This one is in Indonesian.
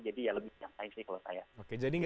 jadi ya lebih nyantai sih kalau saya